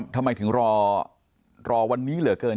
ทำไมถึงรอวันนี้เหลือเกิน